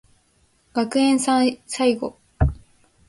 学園祭最後